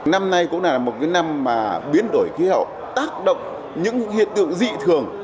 năm nay cũng là một năm biến đổi khí hậu tác động những hiện tượng dị thường